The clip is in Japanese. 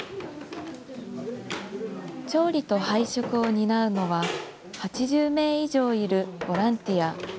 調理と配食を担うのは、８０名以上いるボランティア。